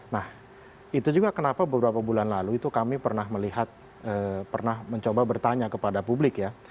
nah itu juga kenapa beberapa bulan lalu itu kami pernah melihat pernah mencoba bertanya kepada publik ya